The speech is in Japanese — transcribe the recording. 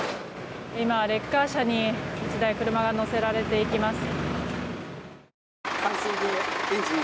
今、レッカー車に１台、車が載せられていきます。